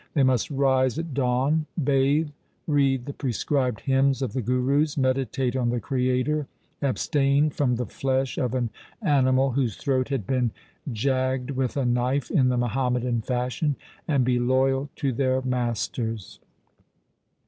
They must rise at dawn, bathe, read the prescribed hymns of the Gurus, meditate on the Creator, abstain from the flesh of an animal whose throat had been jagged with a knife in the Muhammadan fashion, and be loyal to their masters.